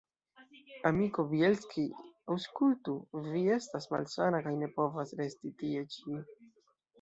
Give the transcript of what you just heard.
Amiko Bjelski, aŭskultu: vi estas malsana kaj ne povas resti tie ĉi.